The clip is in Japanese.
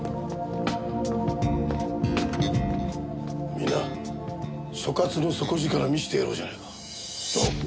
みんな所轄の底力見せてやろうじゃないか。なあ！